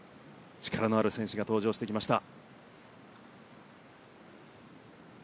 力のある選手が登場してきました。